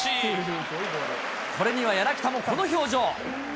これには柳田もこの表情。